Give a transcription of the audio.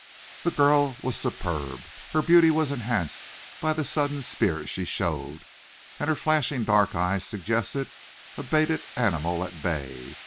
The girl was superb. Her beauty was enhanced by the sudden spirit she showed, and her flashing dark eyes suggested a baited animal at bay.